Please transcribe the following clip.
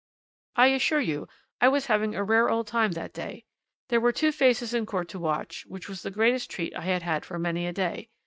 I assure you I was having a rare old time that day. There were two faces in court to watch which was the greatest treat I had had for many a day.